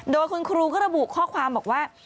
โดยคุณครูก็ระบุข้อความบอกว่า